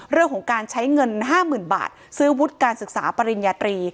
เรื่องของการใช้เงิน๕๐๐๐บาทซื้อวุฒิการศึกษาปริญญาตรี